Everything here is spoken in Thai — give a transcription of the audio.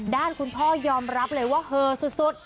ด้านคุณพ่อยอมรับเลยว่าเหอสุด